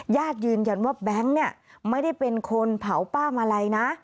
ญาติยืนยันว่าแบงค์เนี่ยไม่ได้เป็นคนเผาป้ามาลัยนะ